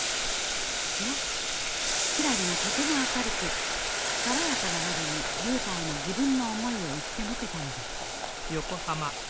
がひらりがとても明るく爽やかなまでに竜太への自分の思いを言ってのけたのです。